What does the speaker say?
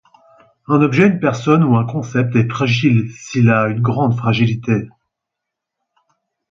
Un objet, une personne ou un concept est fragile s'il a une grande fragilité.